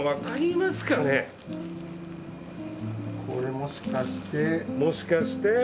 これもしかして。